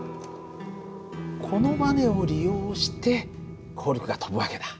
このバネを利用してコルクが飛ぶ訳だ。